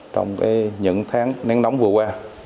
trong những tháng nắng nóng vừa qua